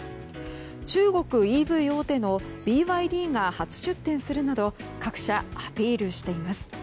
中国ＥＶ大手のＢＹＤが初出展するなど各社アピールしています。